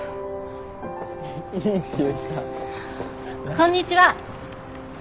こんにちは。